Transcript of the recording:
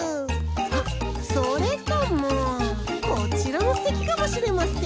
あっそれともこちらもすてきかもしれません。